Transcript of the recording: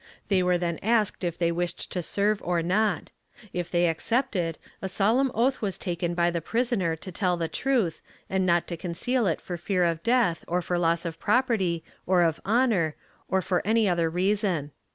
They were then asked if they wished to serve or not; if they accepted, a solemn oath was taken by the prisoner to tell the truth and not to conceal it for fear of death or of loss of property or of honor or for any other reason.